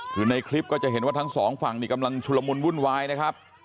คือในคลิปก็จะเห็นว่าทั้งสองฝั่งนี่กำลังชุลมุนวุ่นวายนะครับ